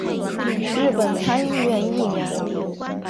日本参议院议员。